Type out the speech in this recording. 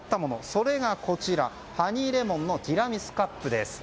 それがこちら、ハニーレモンのティラミスカップです。